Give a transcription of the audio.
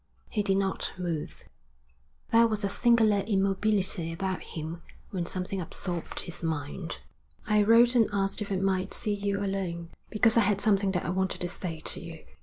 He did not move. There was a singular immobility about him when something absorbed his mind. 'I wrote and asked if I might see you alone, because I had something that I wanted to say to you.